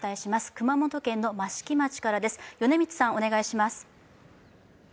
熊本県の益城町からです。